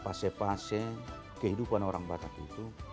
pasir pasir kehidupan orang batak itu